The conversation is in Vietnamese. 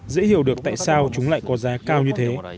dễ hiểu được tại sao chúng lại có giá cao như thế